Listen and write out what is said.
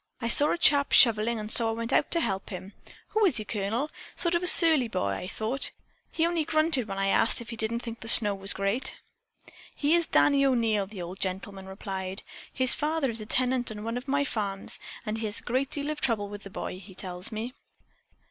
"I saw a chap shoveling and so I went out to help him. Who is he, Colonel? Sort of a surly boy, I thought. He only grunted when I asked if he didn't think the snow was great." "He is Danny O'Neil," the old gentleman replied. "His father is a tenant on one of my farms and he has had a great deal of trouble with the boy, he tells me.